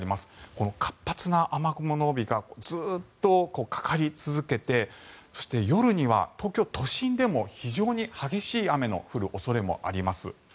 この活発な雨雲の帯がずっとかかり続けてそして、夜には東京都心でも非常に激しい雨の降る恐れもあります。